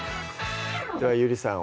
ではゆりさん